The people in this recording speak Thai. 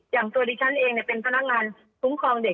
อย่างตัวดิฉันเองเป็นพนักงานคุ้มครองเด็ก